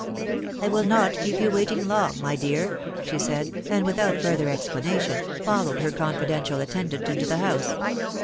" I will not keep yon waiting long, my dear," she said; and, without further explanation, followed her confidential attendant into the house.